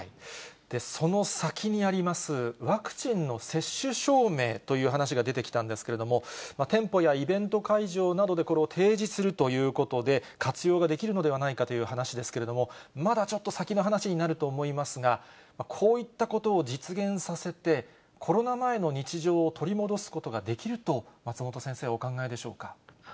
その先にあります、ワクチンの接種証明という話が出てきたんですけれども、店舗やイベント会場などでこれを提示するということで、活用ができるのではないかという話ですけれども、まだちょっと先の話になると思いますが、こういったことを実現させて、コロナ前の日常を取り戻すことができると松本先生はお考えでしょ